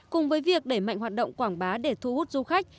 cùng với việc đẩy mạnh hoạt động quảng bá để thu hút du khách